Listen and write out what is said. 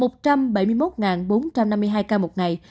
một trăm bảy mươi một bốn trăm năm mươi hai ca một ngày